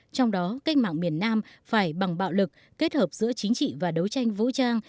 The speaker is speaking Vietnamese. trong đó cách mạng miền nam phải bằng bạo lực kết hợp giữa chính trị và đấu tranh vũ trang